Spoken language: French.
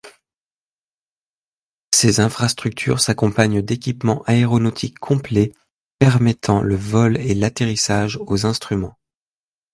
Ces infrastructures s'accompagnent d'équipements aéronautiques complets, permettant le vol et l'atterrissage aux instruments.